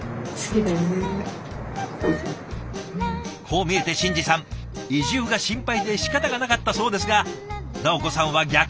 こう見えて新志さん移住が心配でしかたがなかったそうですが奈央子さんは逆。